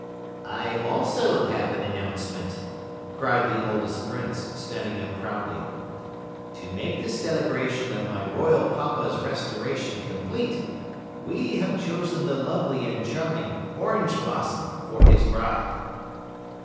"I, also, have an announcement!" cried the eldest Prince, standing up proudly. "To make the celebration of my royal Papa's restoration complete, we have chosen the lovely and charming Orange Blossom for his bride."